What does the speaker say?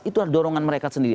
itu adalah dorongan mereka sendiri